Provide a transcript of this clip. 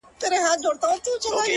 چا ویل دا چي; ژوندون آسان دی;